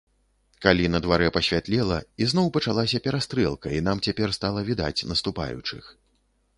Калі на дварэ пасвятлела, ізноў пачалася перастрэлка, і нам цяпер стала відаць наступаючых.